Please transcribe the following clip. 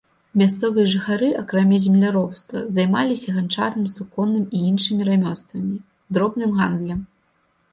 Мясцовыя жыхары акрамя земляробства займаліся ганчарным, суконным і іншымі рамёствамі, дробным гандлем.